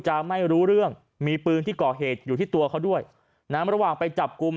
ไม่รู้เรื่องมีปืนที่ก่อเหตุอยู่ที่ตัวเขาด้วยนะระหว่างไปจับกลุ่ม